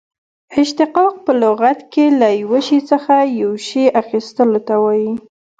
اشتقاق په لغت کښي له یوه شي څخه یو شي اخستلو ته وايي.